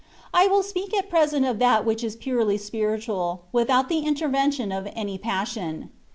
I will speak at present of that which is purely spiritual, without the intervention of any passion.